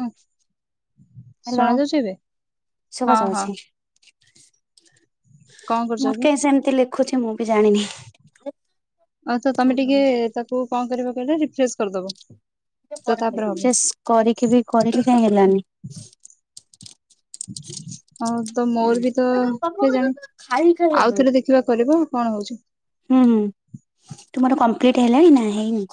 ହ ହ୍ୟାଲୋ ଶୁଣାଯାଉଛି ଏବେ ଶୁଭା ହଁ ହଁ। ଯାଉଛି କଣ କରୁଛ ମୋର ଏବେ? କେସ୍‌ ଏମିତି ଲେଖୁଛି ମୁଁ ବି ଜାଣିନି। ଆଛା ତମେ ଟିକିଏ ତାକୁ କଣ କରିବା କହିଲେ ରିଫ୍ରେଶ କରିଦବ। ତ ତାପରେ ହବ। ରିଫ୍ରେଶ୍ କରିକି ବି କରିକି କାଇଁ ହେଲାନି। ହବ୍‌ ତ ମୋର ବି ତ କିଏ ଜାଣି ଆଉଥରେ ଦେଖିବା କରିବ କଣ ହଉଛି। ହୁଁ ହୁଁ ତୁମର କମ୍ପ୍ଲିଟ ହେଲାଣି ନା ହେଇନି।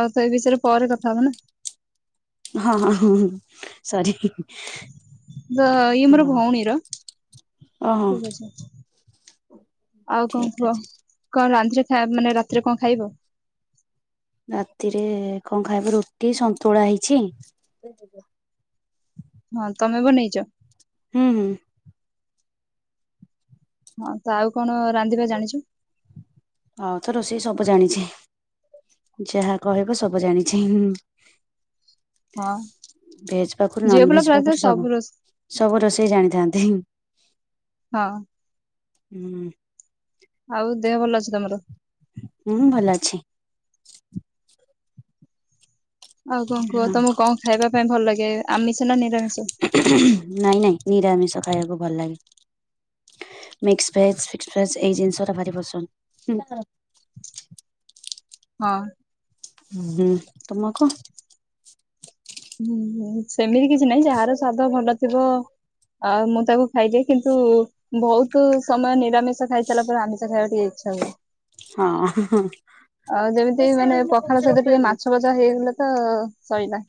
ଆଉ ସେଇ ବିଷୟରେ ପରେ କଥା ହବ ନା। ହଁ ହଁ। ସରି ଦ ଇଏ ମୋର ଭଉଣୀର। ଓହୋ ଠିକ୍ ଅଛି। ଆଉ କଣ ଠିକ ଅଛି କୁହ କଣ ରାନ୍ଧଛ ଖା ମାନେ ରାତିରେ କଣ ଖାଇବ। ରାତିରେ କଣ ଖାଇବ ରୁଟି ସନ୍ତୁଳା ହେଇଛି। ହଁ ତମେ ବନେଇଚ। ହୁଁ ହୁଁ। ହଁ ତ ଆଉ କଣ ରାନ୍ଧିବା ଜାଣିଛୁ। ଆଉ ତ ରୋଷେଇ ସବୁ ଜାଣିଛି। ଯାହା କହିବ ସବୁ ଜାଣିଛିଁ। ହଁ। ଭେଜ ପାଖରୁ ଝିଅ ନନ୍ ପିଲା ଭେଜ ପ୍ରାୟତଃ ପାଖରୁ ସବୁ ରୋଷେ ସବୁ ରୋଷେଇ ଜାଣିଥାନ୍ତି। ହଁ। ହୁଁ। ଆଉ ଦେହ ଭଲ ଅଛି ତମର। ହୁଁ ଭଲ ଅଛି। ଆଉ କଣ କୁହ ତମକୁ କଣ ଖାଇବା ପାଇଁ ଭଲ ଲଗେ ଆମିଷ ନା ନିରାମିଷ। ନାଇଁ ନାଇଁ ନିରାମିଷ ଖାଇବାକୁ ଭଲ ଲାଗେ। ମିକ୍ସି ଭେଜ ଫିକ୍ସି ଭେଜ ଏଇ ଜିନିଷଟା ଭାରି ପସନ୍ଦ ହୁଁ। ହଁ। ହୁଁ ତମକୁ ହୁଁ ହୁଁ ସେମିତି କିଛି ନାହିଁ ଯାହାର ସ୍ଵାଦ ଭଲ ଥିବ ଆ ମୁଁ ତାକୁ ଖାଇ ଦିଏ କିନ୍ତୁ ବହୁତୁ ସମୟ ନିରାମିଷା ଖାଇ ସାରିଲା ପରେ ଆମିଷ ଖାଇବାକୁ ଟିକେ ଇଚ୍ଛା ହୁଏ। ହଁ ଆଉ ଯେମିତି ମାନେ ପଖାଳ ସହିତ ଟିକେ ମାଛ ଭଜା ସେଟା ହେଇଗଲେ ତ ଶଇଲା।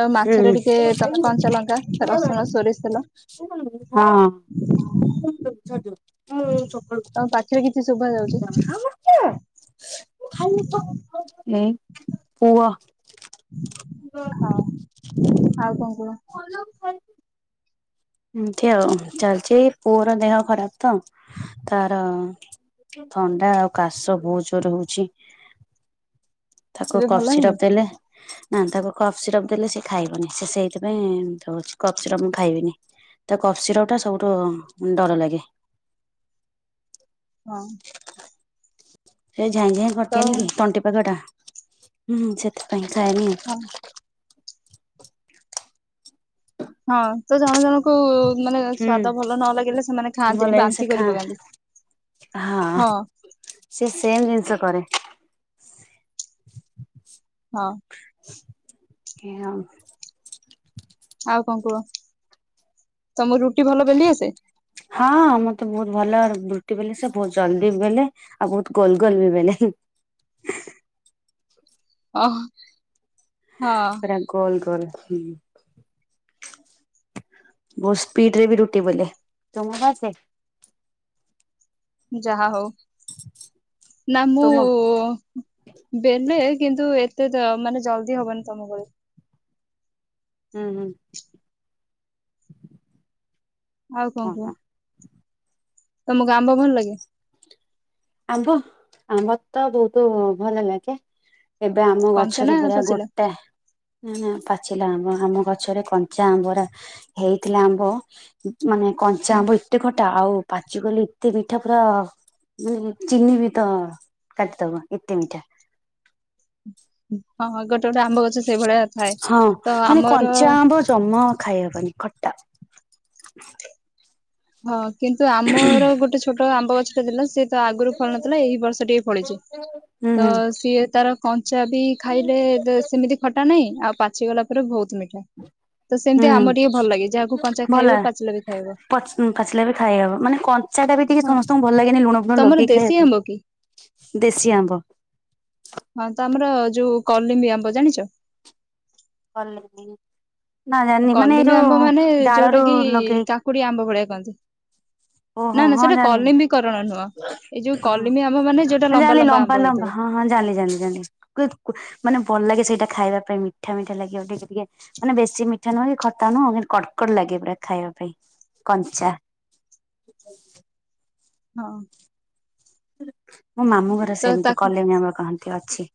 ଆଉ ମାଛରେ ହୁଁ ଟିକେ ତମେ କଞ୍ଚାଲଙ୍କା ରସୁଣ ସୋରିଷ ତେଲ ହଁ। ତମ ପାଟିରେ କିଛି ଶୁଭା ଯାଉଛି [inaudible] [inaudible] ପୁଅ। ହଉ ଆଉ କଣ କୁହ। [unintelligible] ଏମତି ଆଉ ଚାଲିଚି ପୁଅର ଦେହ ଖରାପ ତ ତାର ଥଣ୍ଡା ଆଉ କାଶ ବହୁତ ଜୋରେ ହଉଛି। ତାକୁ ଏବେ ଭଲ କପ୍ ହେଇନି? ସିରପ ଦେଲେ ନା ତାକୁ କପ୍ ସିରପ ଦେଲେ ସେ ଖାଇବନି ସେ ସେଇଥିପାଇଁ ଏମିତି ହଉଚି କପ୍ ସିରପ ମୁଁ ଖାଇବିନି। ତାକୁ କପ୍ ସିରବଟା ସବୁଠୁ ଡର ଲାଗେ। ହଁ। ସେ ଝାଇଁଝାଇଁ ତ କରିଦିଏନି କି ତଣ୍ଟିପାଖ ଟା ହୁଁ ସେଥିପାଇଁ ଖାଏନି। ହୁଁ। ହଁ ତ ଜଣ ଜଣଙ୍କୁ ମାନେ ସ୍ଵାଦ ହୁଁ ଭଲ ନ ଲାଗିଲେ ସେମାନେ ଭଲ ଖାଆନ୍ତିନି ସେ ବାନ୍ତି ଖା କରି ପକାନ୍ତି। [unintelligible] ହଁ। ସେ ସେମ୍ ଜିନିଷ କରେ। ହଁ। [unintelligible] ଆଉ କଣ କୁହ ତମକୁ ରୁଟି ଭଲ ବେଲିଆସେ? ହଁ ମତେ ବହୁତ ଭଲ ରୁଟି ବେଲି ଆସେ ବହୁତ୍ ଜଲଦି ବେଲେ। ଆଉ ବହୁତ୍ ଗୋଲ୍ ଗୋଲ୍ ବି ବେଲେ ହୁଁ। ଓହୋ ହଁ। ଗୋଲ୍ ଗୋଲ୍ ହୁଁ। ବହୁତ୍ ସ୍ପିଡିରେବି ରୁଟି ବୋଲେ। ତମକୁ ଆସେ? ଯାହା ହଉ ନା ମୁଁ ତୁମ ବେଲେ କିନ୍ତୁ ଏତେ ଜ ମାନେ ଜଲଦି ହବନି ତମପରି। ହୁଁ ହୁଁ। ଆଉ ହଁ କଣ କୁହ? ହଁ ତମକୁ ଆମ୍ବ ଭଲ ଲାଗେ? ଆମ୍ବ ଆମ୍ବ ତ ବହୁତ୍ ଭଲ ଲାଗେ। ଏବେ ଆମ କଞ୍ଚା ଗଛରେ ନା ପୁରା ପାଚିଲା ଗୋଟା ନା ପାଚିଲା ଆମ୍ବ ଆମ ଗଛରେ କଞ୍ଚା ଆମ୍ବରା ହେଇଥିଲା ଆମ୍ବ ମାନେ କଞ୍ଚା ହଁ ଆମ୍ବ ଏତେ ଖଟା ଆଉ ପାଚିଗଲେ ଏତେ ମିଠା ପୁରା ଚିନି ବି ତ କାଟିଦବ ଏତେ ମିଠା। ହଁ ଗୋଟେ ଗୋଟେ ଆମ୍ବ ଗଛ ସେଇଭଳିଆ ଥାଏ ତ ଆମର ଯମା ଖାଇହବନି ଖଟା। ହଁ କିନ୍ତୁ ଆମର ଗୋଟେ ଛୋଟ ଆମ୍ବ ଗଛଟା ଥିଲା ସିଏ ତ ଆଗରୁ ଫଳନଥିଲା ଏଇ ବର୍ଷ ଟିକେ ଫଳିଛି। ହୁଁ ତ ହୁଁ। ସିଏ ତାର କଞ୍ଚା ବି ଖାଇଲେ ସେମିତି ଖଟା ନାହିଁ ଆଉ ପାଚିଗଲା ପରେ ବହୁତ ମିଠା। ତ ହୁଁ ସେମିତି ଆମର ଟିକେ ଭଲ ଲାଗେ ଯାହାକୁ କଞ୍ଚା ଭଲ ଖାଇବ ପାଚିଲା ବି ଖାଇବ। ପାଚିଲା ବି ଖାଇହବ ମାନେ କଞ୍ଚାଟା ବି ଟିକେ ହଁ ସମସ୍ତଙ୍କୁ ଭଲ ଲାଗେନି ଲୁଣ ଫୁଣ ତମର ଲଗେଇକି ଦେଶୀ ଖାଇବା ଆମ୍ବ କି ପାଇଁ। ଦେଶୀ ଆମ୍ବ। ହଁ ତ ଆମର ଯୋଉ କଲିବି ଆମ୍ବ ଜାଣିଛ? [inaudible] ମାନେ ଏଇ କଲିମ୍ବି ଯଉ ଡାଳ ରୁ ଲଗେଇକି କୋଡି ଆମ୍ବ ଭଳିଆ କହନ୍ତି। ନା ଓହୋ ନା ହଁ ସେଟା ଜାଣିଲି କଲିମ୍ବି କରଣ ନୁହଁ ଏଇ ଯଉ ହଁ। କଲିମ୍ବି ଆମ୍ବ ମାନେ ଯଉଟା ଲମ୍ବା ଲମ୍ବା ଆମ୍ବ ହେଇଥିବ। ହଁ ଜାଣିଲି ଜାଣିଲି ଜାଣିଲି ମାନେ ଭଲ ଲାଗେ ସେଇଟା ଖାଇବା ପାଇଁ ମିଠା ମିଠା ଲାଗେ ଟିକେ ଟିକେ ମାନେ ବେଶୀ ମିଠା ନୁହେଁ କି ଖଟା ନୁହଁ କଡ୍ କଡ୍ ଲାଗେ ପୁରା ଖାଇବା ପାଇଁ କଞ୍ଚା। ଠ ହଁ। ମୋ ମାମୁଁ ଘର ତ ସେମିତି ତାକୁ କଲିମି ଆମ୍ବ କହନ୍ତି ଅଛି।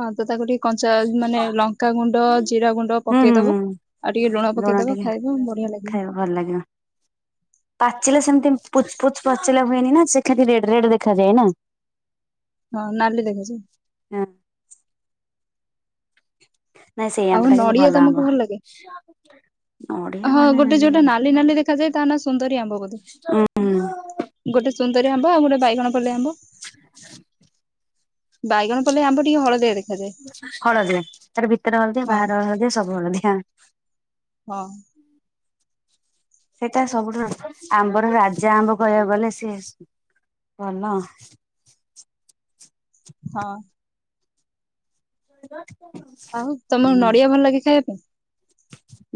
ହଁ ତ ତାକୁ ଟିକେ କଞ୍ଚା ମାନେ ଲଙ୍କା ଗୁଣ୍ଡ, ଜିରା ଗୁଣ୍ଡ ହୁଁ ହୁଁ ପକେଇଦବ ହୁଁ ଆଉ ଟିକେ ଲୁଣ ପକେଇଦବ ଖାଇବ ବଢିଆ ଲାଗିବ। ଖାଇବ ଭଲ ଲାଗିବ। ପାଚିଲା ସେମିତି ପୁଚ ପୁଚ୍ ପାଚିଲା ହୁଏନି ନା ସେ ଖାଲି ରେଡ୍ ରେଡ୍ ଦେଖାଯାଏ ନା? [unintelligible] ହଁ ନାଲି ଦେବି ଯେ। [unintelligible] ନାଇଁ ସେଇ ଆଉ ଆମ୍ବ ଟା କିନ୍ତୁ ନଡିଆ ଭଲ ତମକୁ ଆମ୍ବ ଲାଗେ? ନଡିଆ ହଁ ମାନେ ଗୋଟେ ଯୋଉଟା ନାଲି ନାଲି ଦେଖାଯାଏ ତା ନା ସୁନ୍ଦରୀ ଆମ୍ବ ବୋଧେ? ଉଁ ଗୋଟେ ସୁନ୍ଦରି ଆମ୍ବ ଆଉ ଗୋଟେ ବାଇଗଣ ପଲେଇ ଆମ୍ବ। ବାଇଗଣ ପଲେଇ ଆମ୍ବ ଟିକେ ହଳଦିଆ ଦେଖାଯାଏ। ହଳଦିଆ ତାର ଭିତରେ ହଳଦିଆ ହଁ ବାହାର ହଳଦିଆ ସବୁ ହଳଦିଆ। ହଁ। ସେଇଟା ସବୁଠୁ ଆମ୍ବର ରାଜା ଆମ୍ବ କହିବାକୁ ଗଲେ ସିଏ ଭଲ ହଁ। କ ଆଉ ତମକୁ ନଡିଆ ଭଲ ଲାଗେ ଖାଇବା ପାଇଁ?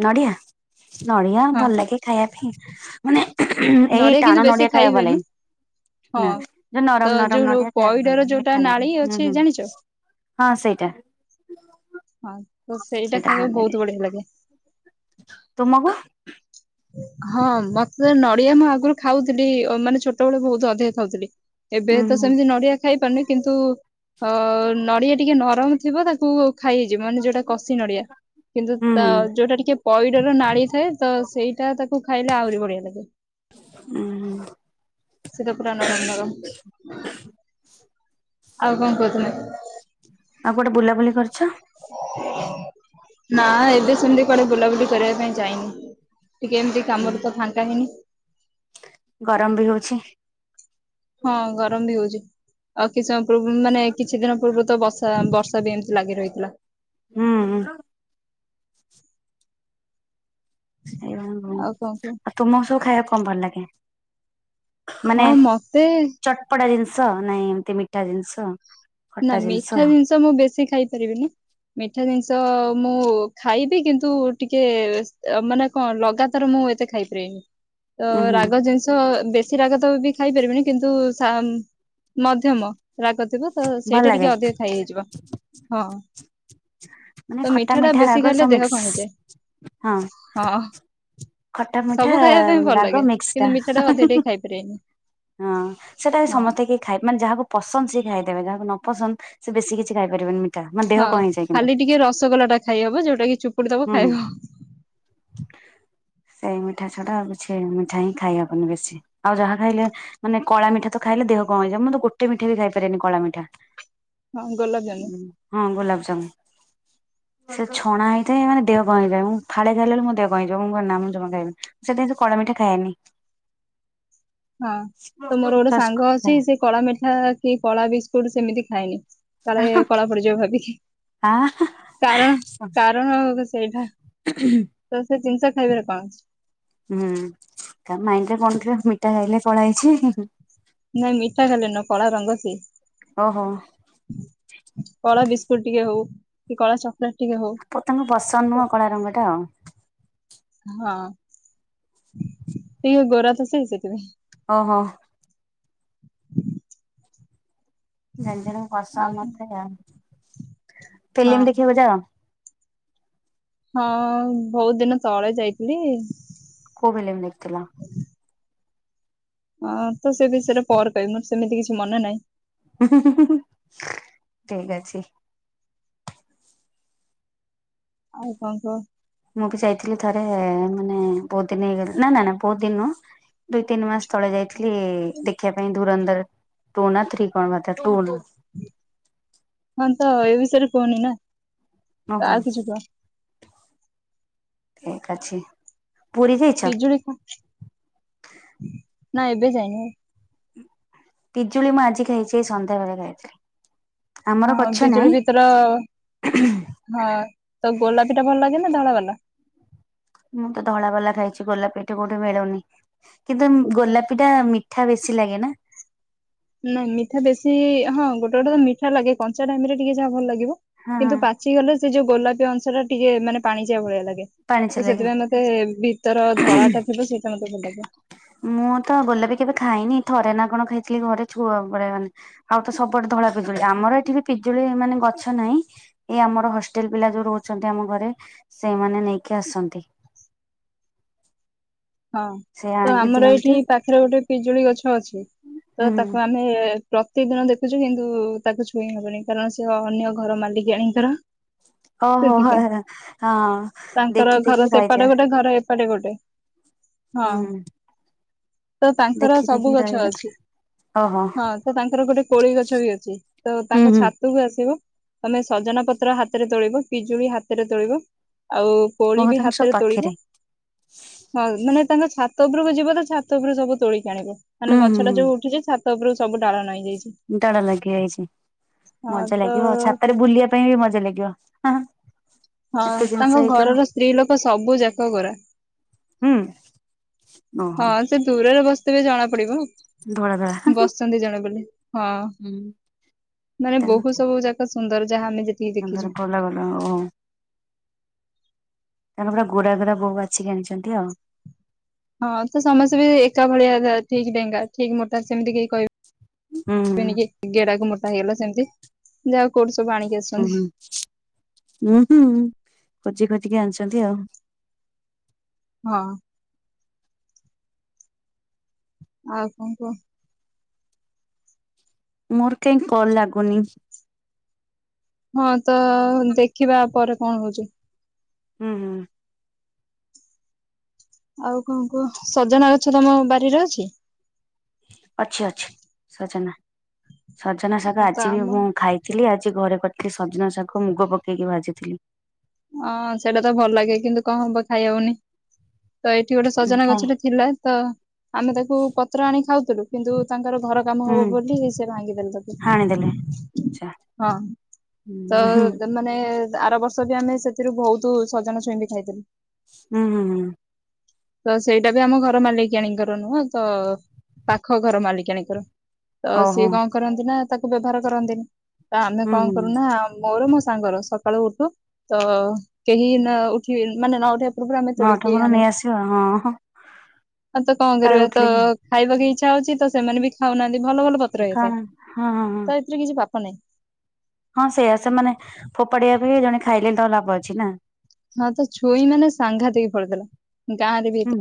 ନଡିଆ- ନଡିଆ ହଁ ଭଲ ଲାଗେ ଖାଇବା ପାଇଁ। ମାନେ ଏଇ ନଡିଆ କିନ୍ତୁ ଟାଣ ବେଶୀ ନଡିଆ ଖାଇ ଖାଇବା ହୁଏନି ହଁ ଭଲଲାଗେନି। ନା ଯଉ ତ ନରମ୍ ନରମ୍ ଯୋଉ ନଡିଆ ଖାଇଲେ ଭଲ ପଇଡର ଲାଗେ ଯୋଉଟା ମିଠା ଲାଗେ ନାଳି ହୁଁ ଅଛି -ହୁଁ। ଜାଣିଛ? ହଁ ସେଇଟା। ହଁ ତ ସେଇଟା ଭଲ ଖାଇବାକୁ ଲାଗେ ବହୁତ୍ ବଢିଆ ଲାଗେ। ତୁମକୁ? ହଁ ମତେ ନଡିଆ ମୁଁ ଆଗରୁ ଖାଉଥିଲି ମାନେ ଛୋଟବେେଳେ ବହୁତ ଅଧିକ ଖାଉଥିଲି। ଏବେ ଉୁଁ ତ ହୁଁ ସେମିତି ନଡିଆ ଖାଇ ପାରୁନି କିନ୍ତୁ ଅ -ନଡିଆ ଟିକେ ନରମ୍ ଥିବ ତାକୁ ଖାଇ ହେଇଯିବ ମାନେ ଯଉଟା କଷି ନଡିଆ କିନ୍ତୁ ହୁଁ ତା ହୁଁ ଯଉଟା ଟିକେ ପଇଡର ନାଳି ଥାଏ ତ ସେଇ ସେଟା ତାକୁ ଖାଇଲେ ଆହୁରି ବଢିଆ ଲାଗେ। ଉଁ- ହୁଁ-ହୁଁ। ସେଟା ପୁରା ନରମ୍ ନରମ୍। ଆଉ କଣ୍ କହୁଥିଲେ? ହୁଁ ଆଉ କୁଆଡେ ବୁଲାବୁଲି କର୍ ନା ଏବେ ସେମିତି କୁଆଡେ ବୁଲାବୁଲି କରିବା ପାଇଁ ଯାଇନି। ଟିକେ ଏମିତି କାମରେ ତ ଫାଙ୍କା ହେଇନି। ଗରମ୍ ବି ହଉଚି। ହଁ ଗରମ୍ ବି ହଉଚି ଆଉ କିଛି ସମୟ ପୂର୍- ମାନେ କିଛି ଦିନ ପୂର୍ବରୁ ତ ବଷ୍ ତ ବର୍ଷା ବି ଏମିତି ଲାଗି ରହିଥିଲା। ହୁଁ- ହୁଁ। ସେଇ କଣ କୁହ ଆଉ ତୁମକୁ ସବୁ ଖାଇବାକୁ କଣ ଭଲ ଲାଗେ? ହଁ ମାନେ ମତେ ଚଟପଟା ଜିନିଷ ନାଇଁ ଏମିତି ମିଠା ଜିନିଷ। ନା ମିଠା ଜିନିଷ ମୁଁ ବେଶୀ ଖାଇ ପାରିବିନି। ମିଠା ଜିନିଷ ମୁଁ ଖାଇବି କିନ୍ତୁ ଟିକେ ମାନେ କଣ ଲଗାତାର ମୁଁ ଏତେ ଖାଇପାରିବିନି ତ ଉୁଁ ହୁଁ ରାଗ ଜି ସ ବେଶୀ ରାଗତ ବି ଖାଇପାରିବିନି କିନ୍ତୁ ମଧ୍ୟମ ରା ତ ଭଲ ସେଇଟା ଟିକେ ଲାଗେ ଅଧିକ ଖାଇ ହେଇଯିବ ହଁ। ମାନେ ତ ଖଟା ଟା ମିଠା ବେଶୀ ରାଗ ଖାଇଲେ ସବୁ ଦେହ କଣ ହେଇଯାଏ। ମିକ୍ସ ହଁ। ହଁ ଖଟା ମିଠା ସବୁ ଖାଇବା ପାଇଁ ଭଲ ରାଗ ଲାଗେ ମିକ୍ସ କିନ୍ତୁ ମିଠା ଟା ଅଧିକ ଟା ଖାଇପାରିବିନି। ହଁ ସେଟା ବି ସମସ୍ତେ କି ଖାଇ ମାନେ ଯାହାକୁ ପସନ୍ଦ ସି ଖାଇଦେବେ ଯାହାକୁ ନ ପସନ୍ଦ ସେ ବେଶୀ କିଛି ଖାଇ ପାରିବନି। ହଁ ଖାଲି ଟିକେ ରସଗୋଲା ଟା ଖାଇ ହବ ଯୋଉଟା କି ଚୁ ହୁଁ ହୁଁ। [inaudible] ସେଇ ମିଠା ଛଡା ଆଉ କିଛି ମିଠା ହିଁ ଖାଇହବନି ବେଶୀ। ଆଉ ଯାହା ଖାଇଲେ ମାନେ କଳା ମିଠା ତ ଖାଇଲେ ଦେହ କମ ହେଇଯିବ ମୁଁ ତ ଗୋଟେ ମିଠା ବି ଖାଇପାରାରେନି କଳା ମିଠା। ହଁ ଗୋଲାପଜାମୁ ହଁ ଗୋଲାପଜାମୁ ସେ ଛଣା ହେଇ ସେ ମାନେ ଦେହ ହେଇଯାଏ ମୁଁ ଫାଳେ ଖାଇଲା ବେଳେ ମୋ ଦେହ କଣ ହେଇଯିବ ମୁଁ କହିବି ନା ମୁଁ ଜମା ଖାଇବିନି। ସେଥି ଏତେ କଳା ମିଠା ଖାଏନି। [inaudible] ହଁ ତ ମୋର ଗୋଟେ ସାଙ୍ଗ ଅଛି ସେ କଳା ମିଠା କି କଳା ବିସ୍କୁଟ ସେମିତି ଖାଇନି। କାଳେ କଳା ପଡିଯିବ ଭାବିକି। କାରଣ କାରଣ ସେଇଟା ତ ସେ ଜିନିଷ ଖାଇବାରେ କଣ ଅଛି। ହୁଁ କା ମାଇଣ୍ଡରେ କଣ ଥିବ ମିଠା ଖାଇଲେ କଳା ହେଇଛି। ନାଇଁ ମିଠା ଖାଇଲେ ନୁ କଳା ରଙ୍ଗ ସିଏ। ଓହୋ। କଳା ବିସ୍କୁଟ ଟିକେ ହୋଉ କି କଳା ଚକୋଲେଟ ଟିକେ ହୋଉ। ପ ତାଙ୍କୁ ପସନ୍ଦ ନୁହଁ କଳା ରଙ୍ଗ ଟା ଆଉ। ହଁ ସେ ଗୋରାଥ ସେ ସେଥିପାଇଁ। ଓହୋ। ଜଣ ଜଣଙ୍କ ପସନ୍ଦ ଆଉ ମତେ ହଁ ଆଉ। ହଁ ବହୁତ ଦିନ ତଳେ ଯାଇଥିଲି। କୋଉ ଫିଲ୍ମ ଦେଖିଥିଲ? ହଁ ତ ସେ ବିଷୟରେ ପର କହିବି ମୋର ସେମିତି କିଛି ମନେ ନାହିଁ। ଠିକ୍ ଅଛି। ଆଉ କଣ କୁହ? ମୁଁ ବି ଯାଇଥିଲି ଥରେ ମାନେ ବହୁତ ଦିନ ହେଇଗଲି ନା ନା ନା ବହୁତ ଦିନ ନୁହଁ। ଦୁଇ ତିନି ମାସ ତଳେ ଯାଇଥିଲି ଦେଖିବା ପାଇଁ ଢୁରନ୍ଦର। ଟୁ ନା ଥ୍ରୀ କଣ ମାରିଥିଲା ଟୁନ୍। ହଁ ତ ଏ ବିଷୟରେ କୁହନି ନା ତ ଓହୋ ଆଉ କିଛି କୁହ। ଠିକ୍ ଅଛି। ପୁରୀ ଯାଇଛ? ପିଜୁଳି ଖା ନା ଏବେ ଯାଇନି। ପିଜୁଳି ମୁଁ ଆଜି ଖାଇଛି ସନ୍ଧ୍ୟାବେଳେ ଖାଇଥିଲି। ଆମର ହଁ ଗଛ ବିଜୁଳି ନାହିଁ ଭିତର ହଁ ତ ଗୋଲାପି ଟା ଭଲ ଲାଗେ ନା ଧଳା ବାଲା? ମୁଁ ତ ଧଳା ବାଲା ଖାଇଛି ଗୋଲାପି ଏଠି କୋଉଠି ମିଳୁନି। କିନ୍ତୁ ଗୋଲାପିଟା ହଁ ମିଠା ବେଶୀ। ଲାଗେ ନା ନାଇଁ ମିଠା ବେଶୀ ହଁ ଗୋଟେ ଗୋଟେ ତ ମିଠା ଲାଗେ, କଞ୍ଚା ଟାଇମରେ ଟିକେ ଯାହା ଭଲ ଲାଗିବ ହଁ କିନ୍ତୁ ହଁ ପା ଚି ଗଲେ ସେ ଯୋଉ ଗୋଲାପି ଅଂଶଟା ଟିକେ ମାନେ ପାଣିଚିଆ ଭଳିଆ ଲାଗେ ପାଣିଚିଆ ତ ଲାଗେ ସେଥିପାଇଁ ମ ତେ ଭିତର ଧଳାଟା ଥିବ ସେଇଟା ମୋତେ ଭଲ ଲାଗେ। ମୁଁ ତ ଗୋଲାପି କେବେ ଖାଇନି, ଥରେ ନା କଣ ଖାଇଥିଲି ଘରେ ଛୁଆବେଳେ ମାନେ ଆଉ ତ ସବୁଆଡେ ଧଳା ପିଜୁଳି। ଆମର ଏଠି ବି ପିଜୁଳି ମାନେ ଗଛ ନାହିଁ। ଏଇ ଆମର ହଷ୍ଟେଲ ପିଲା ଯୋଉ ରହୁଛନ୍ତି ଆମ ଘରେ ସେମାନେ ନେଇକି ଆସନ୍ତି। ହଁ ସେ ତ ଆଣିକି ଆମର ଦିଅନ୍ତି ଏଇଠି ପାଖରେ ଗୋଟେ ପିଜୁଳି ଗଛ ଅଛି ତ ହୁଁ ତାକୁ ଆମେ ପ୍ରତିଦିନ ଦେଖୁଛୁ କିନ୍ତୁ ତାକୁ ଛୁଇଁ ହେବନି କାରଣ ସେ ଅନ୍ୟ ଘର ମାଲିକାଣୀଙ୍କର ଓହୋ ହ ସେଥିପାଇଁ ହଁ ତାଙ୍କର ଦେଖି ଘର ଦେଖିକି ରହିଯା ସେପଟେ ଗୋଟେ ଘର ଏପଟେ ଗୋଟେ। ହଁ ହୁଁ ହୁଁ। ତ ତାଙ୍କର ଦେଖି ସବୁ ଦେଖିକି ରହିବା ଗଛ କଥା। ଅଛି। ଓହୋ ହଁ ତ ତାଙ୍କର ଗୋଟେ କୋଳି ଗଛ ବି ଅଛି ତ ହୁଁ ତାଙ୍କ ହୁଁ ଛାତ କୁ ଆସିବୁ ତମେ ସଜନା ପତ୍ର ହାତରେ ତୋଳିବୁ, ପିଜୁଳି ହାତରେ ତୋଳିବୁ ଆଉ ମୋ କୋଳି କଥା ବି ତାଙ୍କର ସବୁ ହାତରେ ପାଖରେ ତୋଳିବୁ। ମାନେ ତାଙ୍କ ଛାତ ଉପରକୁ ଯିବ ତ ଛାତ ଉପରୁ ସବୁ ତୋଳିକି ଆଣିବୁ, ମାନେ ହୁଁ ହୁଁ ଗଛଟା ଯୋଉ ଉଠିଛି ଛା ତରୁ ସବୁଡାଳ ନଇଁ ଯାଇଛି। ଡାଳ ଲାଗିଯାଇଛି, ହଁ ମଜା ତ ଲାଗିବ, ଛାତରେ ବୁଲିବା ପାଇଁ ବି ମଜା ଲାଗିବ। ହଁ ହଁ ଏତେ ଜିନିଷ ତାଙ୍କ ହେଇଥିବ ଘରର ସ୍ତ୍ରୀ ଲୋକ ସବୁ ଯାକ ଗୋରା। ହୁଁ। [inaudible] ହଁ ସେ ଦୂରରେ ବସିଥିବେ ଜଣା ପଡିବ। ଧଳା ଧଳା ବସିଚନ୍ତି ଜଣେ ବୋଲି, ହଁ ମାନେ ତାଙ୍କ ବୋହୁ ସବୁ ଯା ସୁନ୍ଦର ଯାହା ଆମେ ଯେ ସୁନ୍ଦର ଗଲା ଗଲା ଓହୋ ତାଙ୍କର ପୁରା ଗୋରା ଗୋରା ବହୁ ବାଛିିକି ଆଣିଛନ୍ତି ଆଉ। ହଁ ତ ସମସ୍ତେ ବି ଏକା ଭଳିଆ ଠିକ ଡେଙ୍ଗା, ଠିକ ମୋଟା ସେମିତି କେହି ହୁଁ କହିବେ ନିକି ଗେଡାକୁ ମୋଟା ହେଇଗଲା ସେମିତି ଯାହା ହଉ କୋଉଠୁ ସବୁ ଆଣିକି ହୁଁ ଆସିଛନ୍ତି। ହୁଁ ହୁଁ ହୁଁ, ଖୋଜି ଖୋଜିକି ଆଣିଛନ୍ତି ଆଉ। ହଁ। ଆଉ କଣ କୁହ? ମୋର କାଇଁ କଲ ଲାଗୁନି। ହଁ ତ ଦେଖିବା ପରେ କଣ ହଉଛି। ହୁଁ ହୁଁ। ଆଉ କଣ କୁହ? ସଜନା ଗଛ ତମ ବାରିରେ ଅଛି? ଅଛି ଅଛି ସଜନା। ସଜନା ସାଗ ତ ଆଜି ବି ଆମ ମୁଁ ଖାଇ ଥିଲି ଆଜି ଘରେ କରିଥିଲି ସଜନା ଶାଗ ମୁଗ ପକେଇକି ଭାଜିଥିଲି। ହଁ ସେଇଟା ତ ଭଲ ଲାଗେ କିନ୍ତୁ କଣ ହବ ଖାଇ ହଉନି। ତ ଏଇଠି ଗୋଟେ ହୁଁ ସଜନା କାଇଁ ଗଛଟେ ଥିଲା ତ ଆମେ ତାକୁ ପତ୍ର ଆଣି ଖାଉଥିଲୁ କିନ୍ତୁ ତାଙ୍କର ଘର କାମ ହୁଁ ହବ ବୋଲି ସେ ଭାଙ୍ଗିଦେଲେ ହାଣିଦେଲେ ତାକୁ, ଆଚ୍ଛା ହଁ ହୁଁ। ତ ମାନେ ଆର ବର୍ଷ ବି ଆମେ ସେଥିରୁ ବହୁତ ସଜନା ଛୁଇଁବି ଖାଇଥିଲୁ। ହୁଁ ହୁଁ ହୁଁ। ତ ସେଇଟା ବି ଆମ ଘର ମାଲିକାଣୀଙ୍କର ନୁହଁ ତ ପାଖ ଘର ମାଲିକାଣୀଙ୍କର, ତ ଓହୋ ସିଏ କଣ କରନ୍ତି ନା ତାକୁ ବ୍ୟବହାର କରନ୍ତିନି। ତ ଆମେ ହୁଁ କଣ ହୁଁ କରୁନା ମୋର ମୋ ସାଙ୍ଗର ସକାଳୁ ଉଠୁ ତ କେହି ନ ଉଠି ମାନେ ନ ଉଠି ବା ପୂର୍ବରୁ ଆମେ ନଅଟା ତୋଳିକି ପରେ ଆଣୁ ନେଇ ଆସିବ ହଁ ହଁ ଆ ତ କଣ କାଳେ କରିବା ତ ଉଠିଲେ କି ଖାଇବାକୁ ଇଚ୍ଛା ହଉଛି ତ ସେମାନେ ବି ଖାଉନାହାନ୍ତି। ଭଲ ଭଲ ପତ୍ର କଣ ହେଇଥାଏ। ହଁ ହଁ ହଁ ତ ଏଥିରେ କିଛି ପାପ ନାହିଁ। ହଁ ସେୟା ସେମାନେ ଫୋପାଡିଆ ଅପେକ୍ଷା ଜଣେ ଖାଇଲେ ତ ଲାଭ ଅଛି ନା। ହଁ ତ ଛୁଇଁ ମାନେ ସାଙ୍ଘାତିକି ଫଳିଥିଲା। ଗାଁ ରେ ବି ଏ